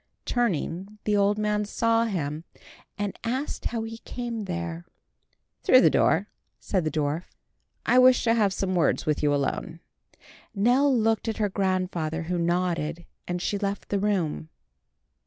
Turning, the old man saw him, and asked how he came there. "Through the door," said the dwarf. "I wish to have some words with you alone." Nell looked at her grandfather, who nodded, and she left the room.